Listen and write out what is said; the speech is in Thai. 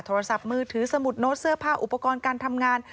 โทรศัพท์มือถือสมุดโน้ตเสื้อผ้าอุปกรณ์การทำงาน